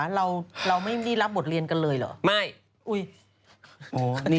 เราไม่ได้รับบทเรียนกันเลยเหรอไม่